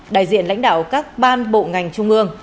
đại diện lãnh đạo các ban bộ ngành trung ương